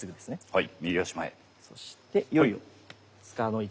はい。